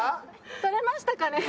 取れましたかね？